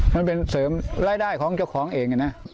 มันเป็นเสริมรายได้ของเจ้าของเองนะ